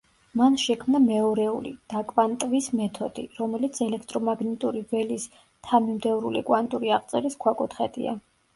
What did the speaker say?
მან შექმნა მეორეული დაკვანტვის მეთოდი, რომელიც ელექტრომაგნიტური ველის თანმიმდევრული კვანტური აღწერის ქვაკუთხედია.